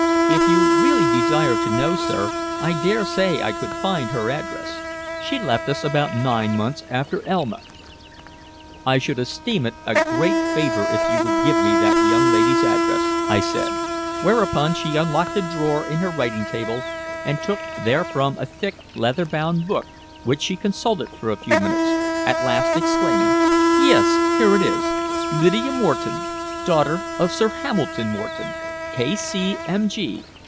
If you really desire to know, sir, I dare say I could find her address. She left us about nine months after Elma." "I should esteem it a great favor if you would give me that young lady's address," I said, whereupon she unlocked a drawer in her writing table and took therefrom a thick, leather bound book which she consulted for a few minutes, at last exclaiming: "Yes, here it is 'Lydia Moreton, daughter of Sir Hamilton Moreton, K.C.M.G.